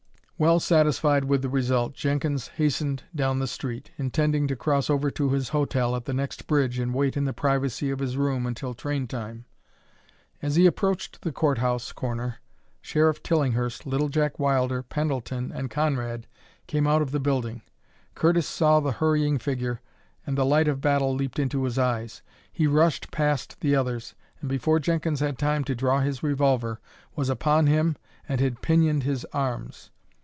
Well satisfied with the result, Jenkins hastened down the street, intending to cross over to his hotel at the next bridge and wait in the privacy of his room until train time. As he approached the court house corner Sheriff Tillinghurst, Little Jack Wilder, Pendleton, and Conrad came out of the building. Curtis saw the hurrying figure, and the light of battle leaped into his eyes. He rushed past the others, and before Jenkins had time to draw his revolver was upon him and had pinioned his arms.